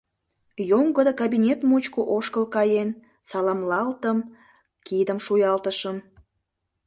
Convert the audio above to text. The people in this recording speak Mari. Йоҥгыдо кабинет мучко ошкыл каен, саламлалтым, кидым шуялтышым.